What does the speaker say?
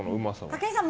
武井さん